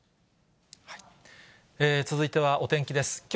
続いてはお天気です。